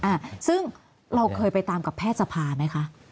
อ่าซึ่งเราเคยไปตามกับแพทย์สภาไหมคะ